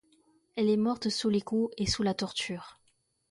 Elle est morte sous les coups et sous la torture.